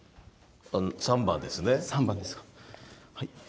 ３番ですね。